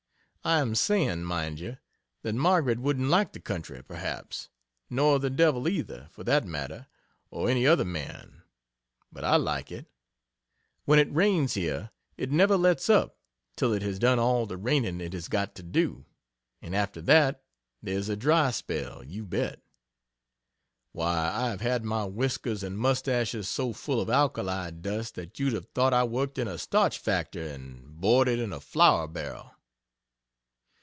I am saying, mind you, that Margaret wouldn't like the country, perhaps nor the devil either, for that matter, or any other man but I like it. When it rains here, it never lets up till it has done all the raining it has got to do and after that, there's a dry spell, you bet. Why, I have had my whiskers and moustaches so full of alkali dust that you'd have thought I worked in a starch factory and boarded in a flour barrel.